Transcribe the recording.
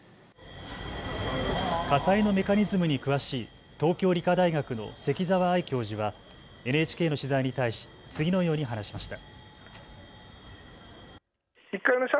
火災のメカニズムに詳しい東京理科大学の関澤愛教授はＮＨＫの取材に対し次のように話しました。